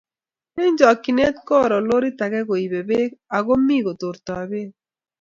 Eng chokchinet Koro lorit age koibei koik ako mi kotortoi beko